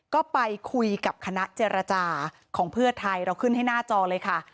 ก็ไปคุยกับคณะเจรจาของเพื่อไทยเราขึ้นให้หน้าจอเลยค่ะ